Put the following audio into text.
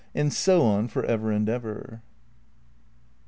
And so on for ever and ever.